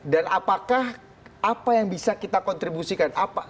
dan apakah apa yang bisa kita kontribusikan